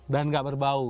dan gak berbau